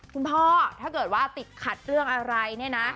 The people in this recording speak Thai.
ถ้าเกิดว่าติดขัดเรื่องอะไรเนี่ยนะ